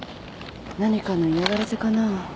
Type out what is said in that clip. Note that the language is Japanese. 何かの嫌がらせかな？